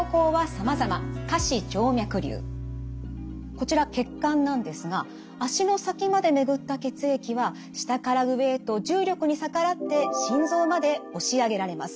こちら血管なんですが足の先まで巡った血液は下から上へと重力に逆らって心臓まで押し上げられます。